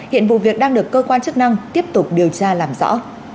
hiện vụ việc đang được cơ quan chức năng tiếp tục điều tra làm rõ